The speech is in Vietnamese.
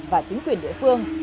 và chính quyền địa phương